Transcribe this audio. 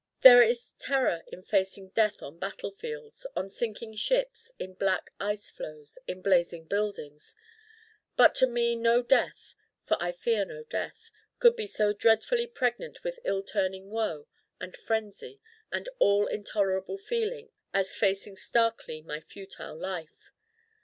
There is terror in facing death on battlefields, on sinking ships, in black ice floes, in blazing buildings. But to me no death, for I fear no death, could be so dreadfully pregnant with in turning woe and frenzy and all intolerable feeling as facing starkly my futile life.